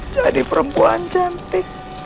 jadi perempuan cantik